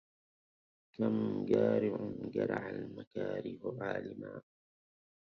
كم جارع جرع المكاره عالما